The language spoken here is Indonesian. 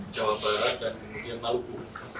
jawa barat dan kemudian maluku